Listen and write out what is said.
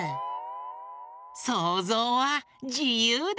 そうぞうはじゆうだ！